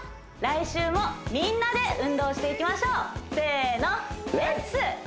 来週もみんなで運動していきましょうせーのレッツ！